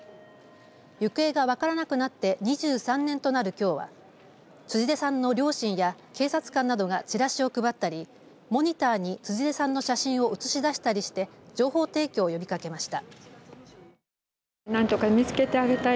行方が分からなくなって２３年となるきょうは辻出さんの両親や警察官などがチラシを配ったりモニターに辻出さんの写真を映しだしたりして情報提供を呼びかけました。